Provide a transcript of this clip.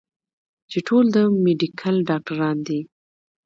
چې ټول د ميډيکل ډاکټران دي